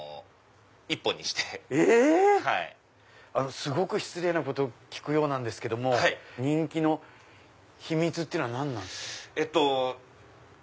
すごく失礼なこと聞くようなんですけども人気の秘密ってのは何なんですか？